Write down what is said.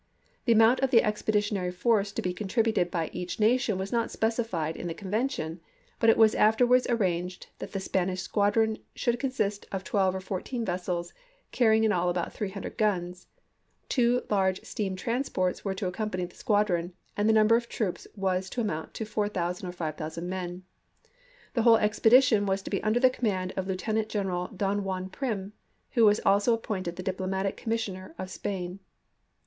The amount of the expeditionary force to be contributed by each nation was not specified in the convention, but it was afterwards arranged that the Spanish squadron should consist of 12 or 14 vessels, carrying in all about 300 guns ; two large steam transports were to accompany the squadron, and the number of troops was to amount to 4000 or 5000 men ; the whole expedition was to be under the command of Lieu tenant General Don Juan Prim, who was also appointed the Diplomatic Commissioner of Spain.